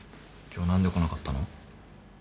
今日何で来なかったの？